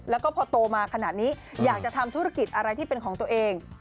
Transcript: แล้วก็พอโตมาขนาดนี้อยากจะทำธุรกิจอะไรที่เป็นของตัวเอง